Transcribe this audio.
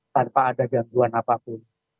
tanpa ada gangguan apapun